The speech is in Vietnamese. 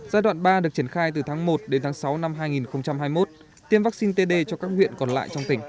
giai đoạn ba được triển khai từ tháng một đến tháng sáu năm hai nghìn hai mươi một tiêm vaccine td cho các huyện còn lại trong tỉnh